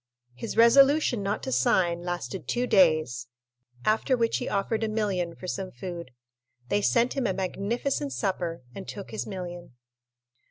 His resolution not to sign lasted two days, after which he offered a million for some food. They sent him a magnificent supper, and took his million.